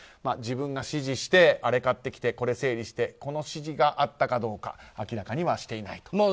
自分が指示してあれ買ってきて、これ整理してこの指示があったかどうか明らかにはしていないと。